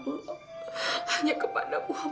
boleh ayudar nggak sabir